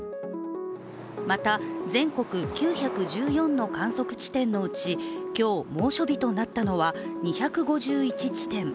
また、全国９１４の観測地点のうち今日、猛暑日となったのは２５１地点。